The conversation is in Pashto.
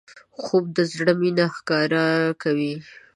خوب د زړه مینه ښکاره کوي